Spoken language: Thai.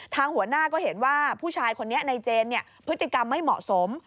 หัวหน้าก็เห็นว่าผู้ชายคนนี้ในเจนพฤติกรรมไม่เหมาะสม